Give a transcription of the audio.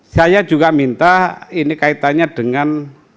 saya juga minta ini kaitannya dengan